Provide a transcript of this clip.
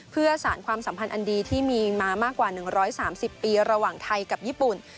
เพื่อสารความสัมพันธ์อันดีที่มีมามากกว่า๑๓๐ปีระหว่างไทยกับญี่ปุ่น